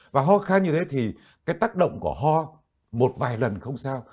và ho khan như thế thì cái tác động của ho một vài lần không sao